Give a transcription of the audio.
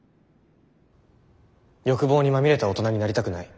欲望にまみれた大人になりたくない。